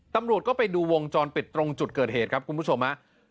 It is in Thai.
ตำรวจก็ไปดูวงจรปิดตรงจุดเกิดเหตุครับคุณผู้ชมฮะ